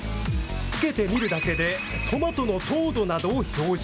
着けてみるだけでトマトの糖度などを表示。